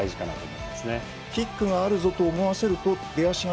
キックがあるぞと思わせると出足がちょっと。